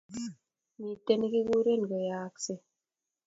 Miten ne kikren koyaakse